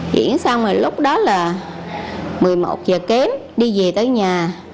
chuyển xong rồi lúc đó là một mươi một h kém đi về tới nhà